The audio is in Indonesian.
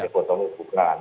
ini foto lukukan